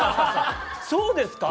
そうですか？